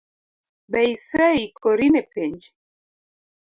Be ise ikori ne penj?